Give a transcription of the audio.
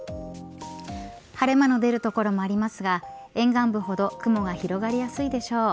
晴れ間の出る所もありますが沿岸部ほど雲が広がりやすいでしょう。